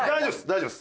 大丈夫？